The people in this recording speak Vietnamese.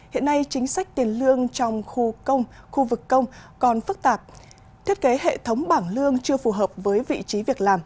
hiện nay chính sách tiền lương trong khu công khu vực công còn phức tạp thiết kế hệ thống bảng lương chưa phù hợp với vị trí việc làm